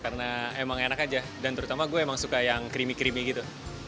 karena emang enak aja dan terutama gue emang suka yang creamy creamy gitu